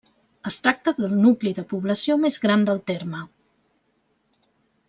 Es tracta del nucli de població més gran del terme.